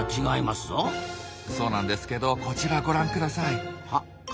そうなんですけどこちらご覧ください。